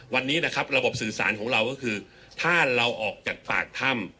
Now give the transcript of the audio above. วันนี้นะครับระบบสื่อสารของเราก็คือถ้าเราออกจากปากถ้ำ